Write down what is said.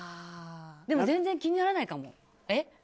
でも全然気にならないかも。